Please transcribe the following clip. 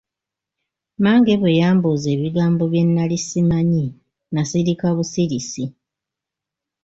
Mmange bwe yambuuza ebigambo bye nnali simanyi nasirika busirisi.